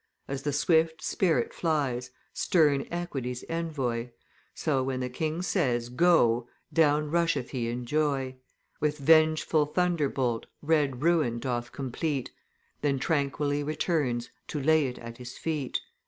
As the swift spirit flies, stern Equity's envoy, So, when the king says, 'Go,' down rusheth he in joy, With vengeful thunderbolt red ruin doth complete, Then tranquilly returns to lay it at his feet."